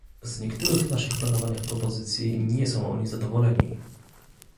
Z niektórych naszych planowanych propozycji nie są oni zadowoleni